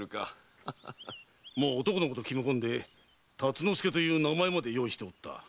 もう男の子と決め込んで「辰之助」という名を用意してた。